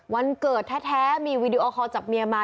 วันเกิดแท้มีวีดีโอคอลจากเมียมา